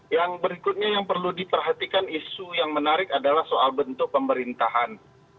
yang berikutnya yang perlu diperhatikan isu yang menarik adalah soal bentuk pemerintahan